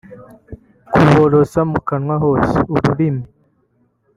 kuborosa mu kanwa hose (ururimi